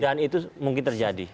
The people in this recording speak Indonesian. dan itu mungkin terjadi